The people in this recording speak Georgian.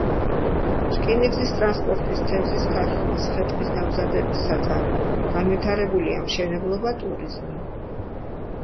რკინიგზის ტრანსპორტის, თევზის ქარხნის, ხე-ტყის დამზადების საწარმო; განვითარებულია მშენებლობა, ტურიზმი.